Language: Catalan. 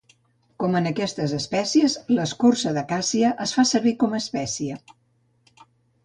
Com en aquestes espècies l'escorça de càssia es fa servir com espècia.